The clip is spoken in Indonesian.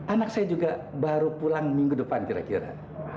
anak saya juga baru pulang minggu depan kira kira